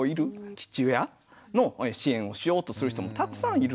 父親の支援をしようとする人もたくさんいる。